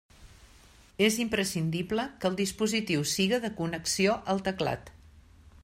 És imprescindible que el dispositiu siga de connexió al teclat.